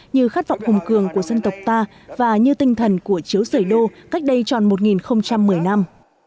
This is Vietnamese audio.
như khát vọng hùng cường của dân tộc ta và như tinh thần của chiếu sởi đô cách đây tròn một một mươi năm